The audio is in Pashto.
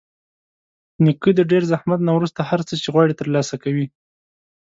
نیکه د ډېر زحمت نه وروسته هر څه چې غواړي ترلاسه کوي.